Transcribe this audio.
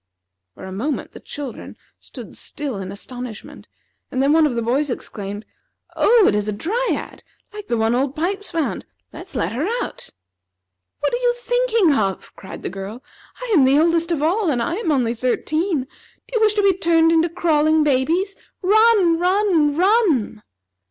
For a moment the children stood still in astonishment, and then one of the boys exclaimed: "Oh, it is a Dryad, like the one Old Pipes found! Let's let her out!" "What are you thinking of?" cried the girl. "I am the oldest of all, and I am only thirteen. Do you wish to be turned into crawling babies? Run! run! run!"